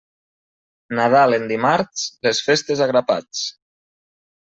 Nadal en dimarts, les festes a grapats.